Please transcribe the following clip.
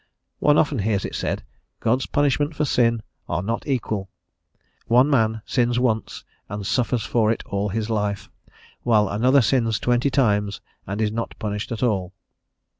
One often hears it said: "God's punishments for sin are not equal: one man sins once and suffers for it all his life, while another sins twenty times and is not punished at all."